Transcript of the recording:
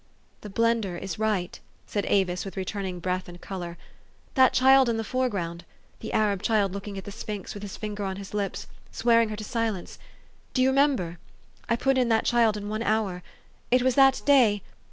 '"The Blender' is right," said Avis with return ing breath and color. "That child in the foreground the Arab child looking at the sphinx with his finger on his lips, swearing her to silence do you remember ? I put in that child in one hour. It was the day'.'